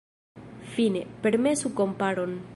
Fine, permesu komparon.